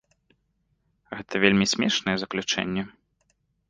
Гэта вельмі смешнае заключэнне.